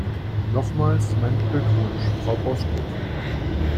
Nochmals meinen Glückwunsch, Frau Bozkurt.